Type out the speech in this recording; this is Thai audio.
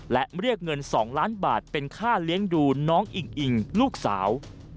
และเรียกเงิน๒ล้านบาทเป็นค่าเลี้ยงดูน้องอิงอิงลูกสาว